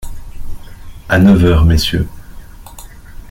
À neuf heures, Mrs.